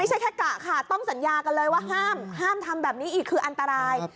ไม่ใช่แค่กะค่ะต้องสัญญากันเลยว่าห้ามห้ามทำแบบนี้อีกคืออันตราย